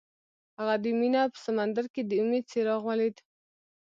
هغه د مینه په سمندر کې د امید څراغ ولید.